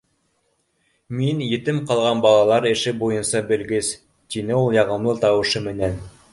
— Мин етем ҡалған балалар эше буйынса белгес, — тине ул яғымлы тауышы менән.